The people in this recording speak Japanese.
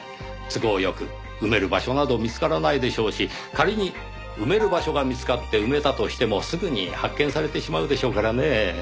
都合よく埋める場所など見つからないでしょうし仮に埋める場所が見つかって埋めたとしてもすぐに発見されてしまうでしょうからねぇ。